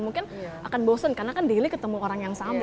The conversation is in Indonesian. mungkin akan bosen karena kan daily ketemu orang yang sama